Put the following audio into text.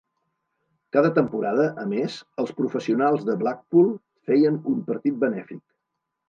Cada temporada, a més, els professionals de Blackpool feien un partit benèfic.